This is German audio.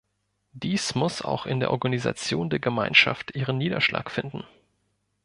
Dies muss auch in der Organisation der Gemeinschaft ihren Niederschlag finden.